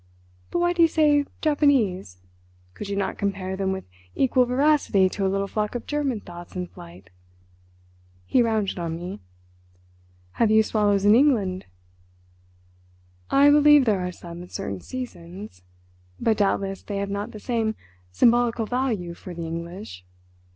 But why do you say 'Japanese'? Could you not compare them with equal veracity to a little flock of German thoughts in flight?" He rounded on me. "Have you swallows in England?" "I believe there are some at certain seasons. But doubtless they have not the same symbolical value for the English.